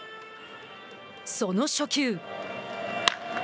その初球。